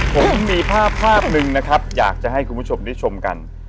ผมมีภาพภาพหนึ่งนะครับอยากจะให้คุณผู้ชมได้ชมกัน